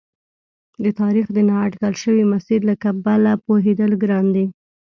د تاریخ د نا اټکل شوي مسیر له کبله پوهېدل ګران دي.